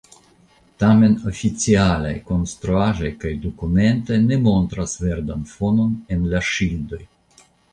Tamen oficialaj konstruaĵoj kaj dokumentoj ne montras verdan fonon en la ŝildoj.